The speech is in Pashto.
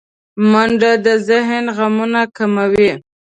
منډه د ذهن غمونه کموي